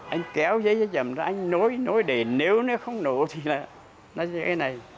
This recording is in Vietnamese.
anh kéo dây cháy chầm ra anh nối để nếu nó không nổ thì nó sẽ như thế này